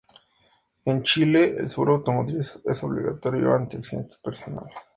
En Chile, el seguro automotriz es obligatorio ante accidentes personales.